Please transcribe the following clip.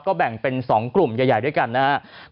แบ่งเป็น๒กลุ่มใหญ่ด้วยกันนะครับ